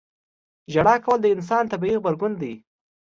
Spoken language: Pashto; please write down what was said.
• ژړا کول د انسان طبیعي غبرګون دی.